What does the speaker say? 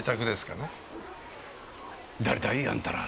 誰だい？あんたら。